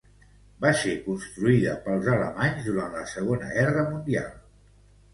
Va ser construïda pels alemanys durant la Segona Guerra Mundial.